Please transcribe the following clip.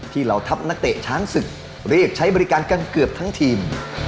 เหล่าทัพนักเตะช้างศึกเรียกใช้บริการกันเกือบทั้งทีม